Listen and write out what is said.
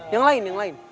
yang lain yang lain